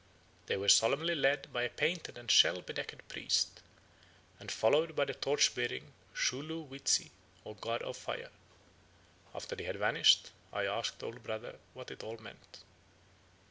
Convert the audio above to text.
They were solemnly led by a painted and shell bedecked priest, and followed by the torch bearing Shu lu wit si or God of Fire. After they had vanished, I asked old brother what it all meant.